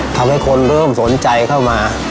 ทำให้คนเริ่มสนใจเข้ามา